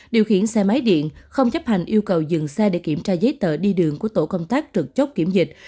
điều khiển xe máy điện không chấp hành yêu cầu dừng xe để kiểm tra giấy tờ đi đường của tổ công tác trực chốt kiểm dịch